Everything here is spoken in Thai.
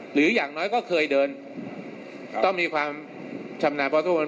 หรืออย่างน้อยก็เคยเดินต้องมีความชำนาญเพราะทุกคน